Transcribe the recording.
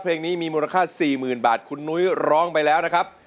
เพลงนี้มีมูลค่า๔๐๐๐บาทคุณนุ้ยร้องไปแล้วนะครับ